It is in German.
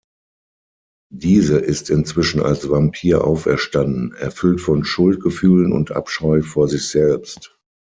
Diese ist inzwischen als Vampir auferstanden, erfüllt von Schuldgefühlen und Abscheu vor sich selbst.